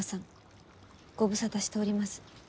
ご無沙汰しております。